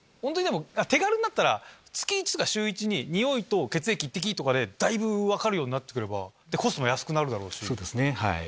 手軽になったら月１とか週１にニオイと血液１滴とかでだいぶ分かるようになればコストも安くなるだろうし。